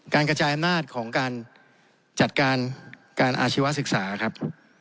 การกระจายอำนาจการจัดการศึกษาครับ